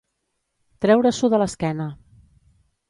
Treure-s'ho de l'esquena.